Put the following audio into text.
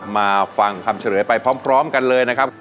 มาฟังคำเฉลยไปพร้อมกันเลยนะครับ